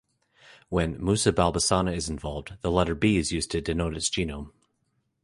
When "Musa balbisiana" is involved, the letter "B" is used to denote its genome.